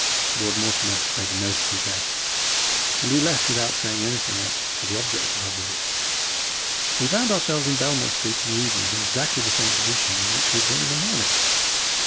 Ward Mortimer made a note of the address, and we left without saying anything as to the object of our visit. We found ourselves in Belmore Street in the evening in exactly the same position in which we had been in the morning.